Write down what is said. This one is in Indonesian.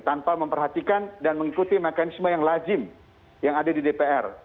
tanpa memperhatikan dan mengikuti mekanisme yang lazim yang ada di dpr